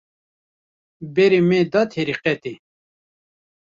Berê me da terîqetê